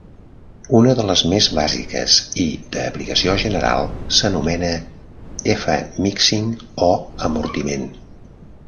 Una de les més bàsiques i d'aplicació general s'anomena "F-mixing" o amortiment.